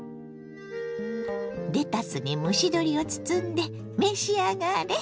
レタスに蒸し鶏を包んで召し上がれ。